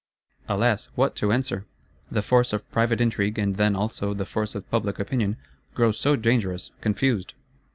Alas, what to answer? The force of private intrigue, and then also the force of public opinion, grows so dangerous, confused!